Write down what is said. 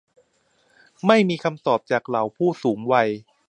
ไม่มีคำตอบจากเหล่าผู้สูงวัย